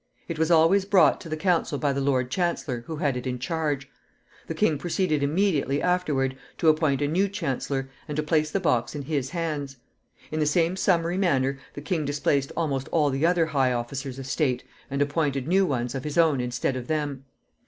It was always brought to the council by the lord chancellor, who had it in charge. The king proceeded immediately afterward to appoint a new chancellor, and to place the box in his hands. In the same summary manner the king displaced almost all the other high officers of state, and appointed new ones of his own instead of them.